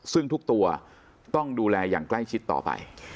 ซึ่งทุกตัวต้องดูแลอย่างใกล้ชิดต่อไป